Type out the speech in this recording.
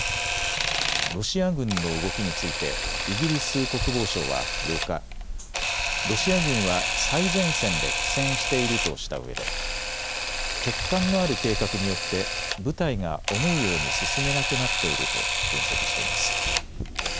ロシア軍の動きについてイギリス国防省は８日、ロシア軍は最前線で苦戦しているとしたうえで欠陥のある計画によって部隊が思うように進めなくなっていると分析しています。